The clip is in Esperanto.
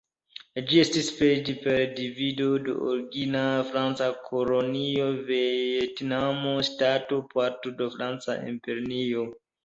Ĝi estiĝis per divido de origina franca kolonio Vjetnama ŝtato, parto de franca imperio.